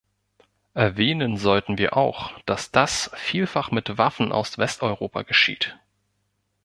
Erwähnen sollten wir auch, dass das vielfach mit Waffen aus Westeuropa geschieht.